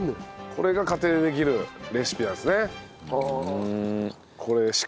これが家庭でできるレシピなんですね。